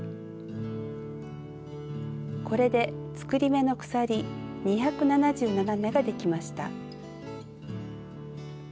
これで作り目の鎖２７７目ができました。